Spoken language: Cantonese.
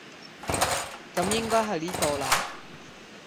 噉應該係呢個喇